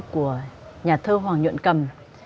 của nhà thơ hoàng nhuận cầm